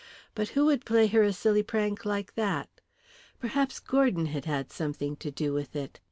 But who would play her a silly prank like that? Perhaps Gordon had had something to do with it.